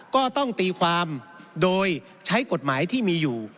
ก็ต้องตีความโดยใช้กฎหมายที่มีอยู่